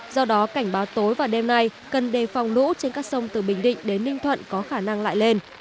do đó cảnh báo tối và đêm nay cần đề phòng lũ trên các sông từ bình định đến ninh thuận có khả năng lại lên